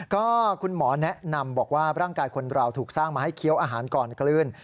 ก็คุณหมอแนะนำบอกว่าร่างกายคนเราถูกสร้างมาให้เคี้ยวอาหารก่อนคลื่น